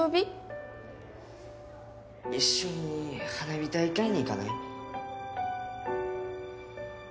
一緒に花火大会に行かない？